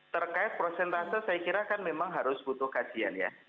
terkait prosentase saya kira kan memang harus butuh kajian ya